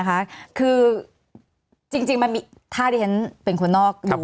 คือจริงมันมีท่าเรียนเป็นคุณนอกอยู่